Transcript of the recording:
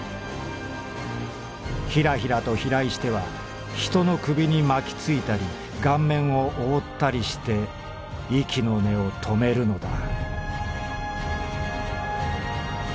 ヒラヒラと飛来しては人の首に巻き付いたり顔面を覆ったりして息の根を止めるのだ」。